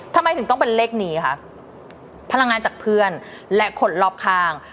ทำไมถึงต้องเป็นเลขนี้คะพลังงานจากเพื่อนและคนรอบข้าง